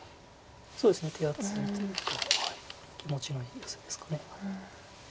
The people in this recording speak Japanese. そうですね手厚いというか気持ちのいいヨセですか。